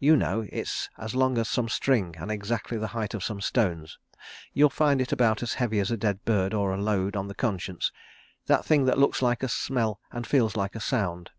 You know—it's as long as some string and exactly the height of some stones. You'll find it about as heavy as a dead bird or a load on the conscience. That thing that looks like a smell and feels like a sound.